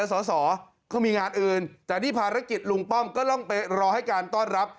สอสอเขามีงานอื่นแต่นี่ภารกิจลุงป้อมก็ต้องไปรอให้การต้อนรับ